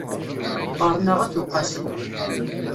Qqaṛen-aɣ At Uqasi.